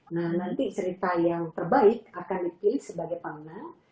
nanti cerita yang terbaik akan dipilih sebagai panggang